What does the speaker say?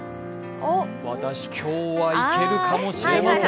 私、今日はいけるかもしれません！